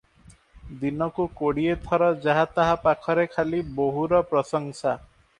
ଦିନକୁ କୋଡ଼ିଏ ଥର ଯାହା ତାହା ପାଖରେ ଖାଲି ବୋହୂର ପ୍ରଶଂସା ।